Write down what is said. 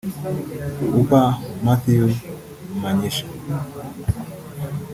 Oupa Matthews Manyisha